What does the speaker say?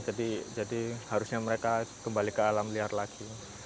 jadi harusnya mereka kembali ke alam liar lagi